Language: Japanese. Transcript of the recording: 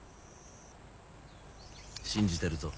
信じてるぞ。